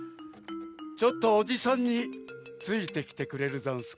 ちょっとおじさんについてきてくれるざんすか？